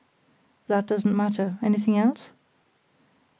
"That doesn't matter. Anything else?"